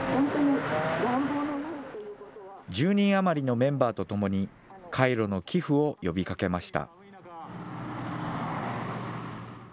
１０人余りのメンバーと共に、カイロの寄付を呼びかけました。